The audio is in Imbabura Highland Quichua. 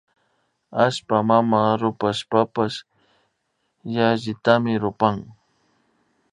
Allpa mama rupashpapash yallitami rupan